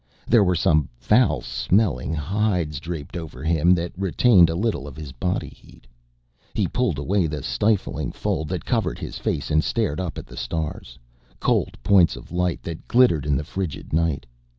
There were some foul smelling hides draped over him that retained a little of his body heat. He pulled away the stifling fold that covered his face and stared up at the stars, cold points of light that glittered in the frigid night.